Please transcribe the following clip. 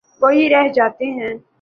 وہی رہ جاتے ہیں۔